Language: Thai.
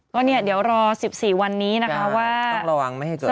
ก็เนี่ยเดี๋ยวรอ๑๔วันนี้นะคะว่าต้องระวังไม่ให้เกิด